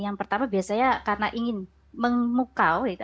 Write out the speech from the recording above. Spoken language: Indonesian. yang pertama biasanya karena ingin memukau gitu